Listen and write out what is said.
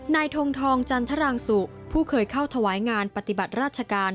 ทงทองจันทรางสุผู้เคยเข้าถวายงานปฏิบัติราชการ